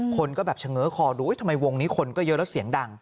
คนก็แบบเฉง้อคอดูทำไมวงนี้คนก็เยอะแล้วเสียงดัง